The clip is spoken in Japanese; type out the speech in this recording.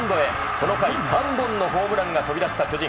この回、３本のホームランが飛び出した巨人。